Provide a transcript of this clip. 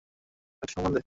একটু তো সম্মান দে!